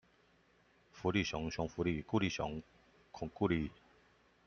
福利熊，熊福利，顧立雄，恐固力